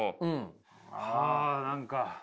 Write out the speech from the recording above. はあ何か。